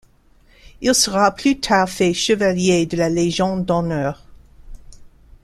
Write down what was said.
Il sera plus tard fait chevalier de la Légion d'honneur.